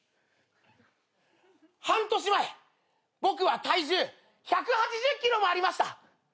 半年前僕は体重１８０ｋｇもありました。